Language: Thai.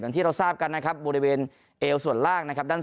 ที่เราทราบกันนะครับบริเวณเอวส่วนล่างนะครับด้าน